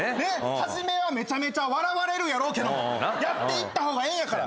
初めはめちゃめちゃ笑われるやろうけどやっていった方がええんやから。